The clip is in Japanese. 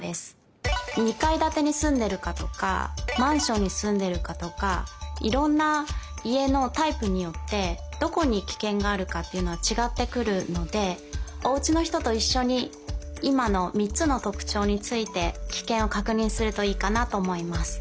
２かいだてにすんでるかとかマンションにすんでるかとかいろんな家のタイプによってどこにキケンがあるかっていうのはちがってくるのでおうちのひとといっしょにいまのみっつのとくちょうについてキケンをかくにんするといいかなとおもいます。